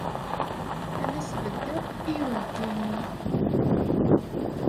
Ad as-beddeɣ i uydi-nni.